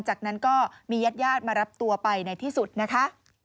จากนั้นก็มีญาติญาติมารับตัวไปในที่สุดนะคะ